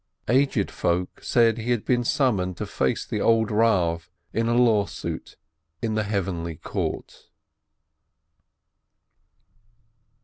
Aged folk said he had been summoned to face the old Eav in a lawsuit in the Heavenly Court.